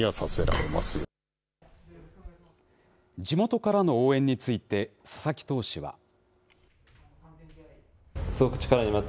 地元からの応援について、佐々木投手は。